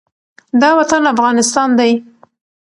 دا وطن افغانستان دی،